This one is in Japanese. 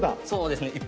そうですね。